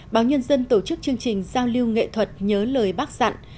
báo nhân dân tổ chức chương trình giao lưu nghệ thuật nhớ lời bác dặn